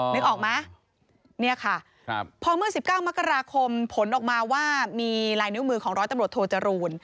นึกออกไหมเนี่ยค่ะพอเมื่อ๑๙มกราคมผลออกมาว่ามีลายนิ้วมือของร้อยตำรวจโทจรูล